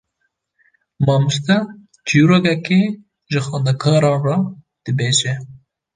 Mamoste çîrokekê ji xwendekaran re dibêje.